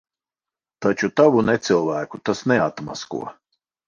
Taču tavu necilvēku tas neatmasko.